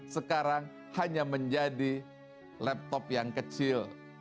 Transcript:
sekarang hanya menjadi laptop yang kecil